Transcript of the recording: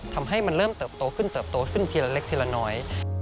ทำให้มันเริ่มเติบโตขึ้นเติบโตขึ้นทีละเล็กทีละน้อย